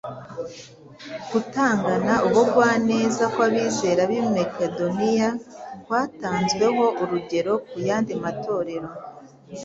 gutangana ubugwaneza kw’abizera b’i Makedoniya kwatanzweho urugero ku yandi matorero